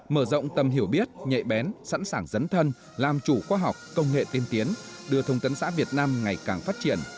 mở rộng tầm hiểu biết nhạy bén sẵn sàng dấn thân làm chủ khoa học công nghệ tiên tiến đưa thông tấn xã việt nam ngày càng phát triển